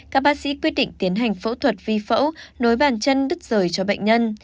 các bác sĩ quyết định tiến hành phẫu thuật vi phẫu nối bàn chân đứt rời cho bệnh nhân